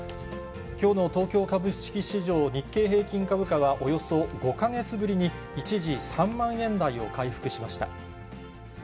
きょうの東京株式市場、日経平均株価は、およそ５か月ぶりに一時３万円台を回復しました。